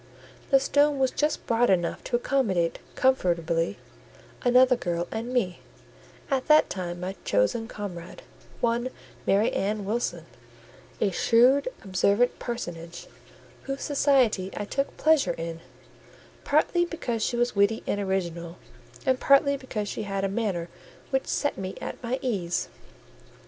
The stone was just broad enough to accommodate, comfortably, another girl and me, at that time my chosen comrade—one Mary Ann Wilson; a shrewd, observant personage, whose society I took pleasure in, partly because she was witty and original, and partly because she had a manner which set me at my ease.